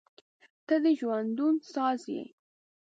• ته د ژوندون ساز یې.